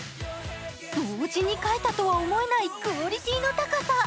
同時に描いたとは思えないクオリティーの高さ。